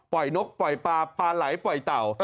นกปล่อยปลาปลาไหลปล่อยเต่า